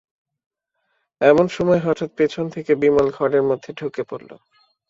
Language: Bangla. এমন সময় হঠাৎ পিছন থেকে বিমল ঘরের মধ্যে ঢুকে পড়ল।